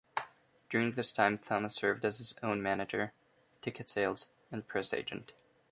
During this time Thomas served as his own manager, ticket sales, and press agent.